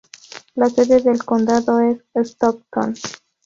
La sede de condado es Stockton.